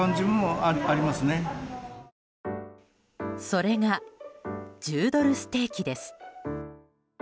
それが１０ドルステーキです。